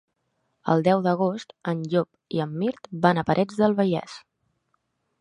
El deu d'agost en Llop i en Mirt van a Parets del Vallès.